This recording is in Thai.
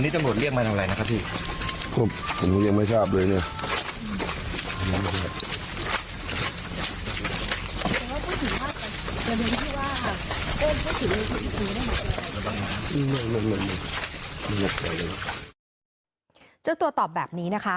เจ้าตัวตอบแบบนี้นะคะ